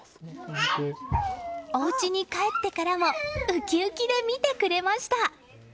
おうちに帰ってからもウキウキで見てくれました。